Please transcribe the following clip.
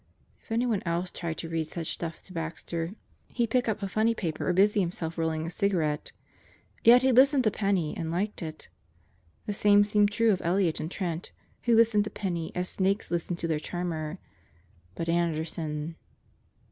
If anyone else tried to read such stuff to Baxter, he'd pick up a funny paper or busy himself rolling a cigarette. Yet he listened to Penney and liked it The same seemed true of Elliott and Trent, who listened to Penney as snakes listen to their charmer. But Anderson